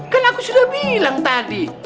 kan aku sudah bilang tadi